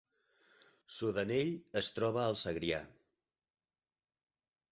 Sudanell es troba al Segrià